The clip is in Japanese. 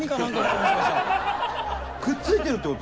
くっついてるって事？